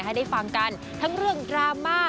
ให้ได้ฟังกันทั้งเรื่องดราม่า